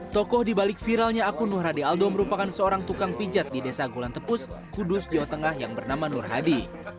tokoh dibalik viralnya akun nur hadi aldo merupakan seorang tukang pijat di desa gulantepus kudus jawa tengah yang bernama nur hadi